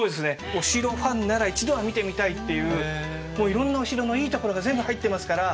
お城ファンなら一度は見てみたいっていういろんなお城のいいところが全部入ってますから。